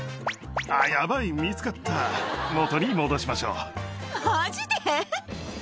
あっヤバい見つかった元に戻しましょう。